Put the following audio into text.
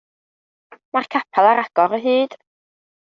Mae'r capel ar agor o hyd.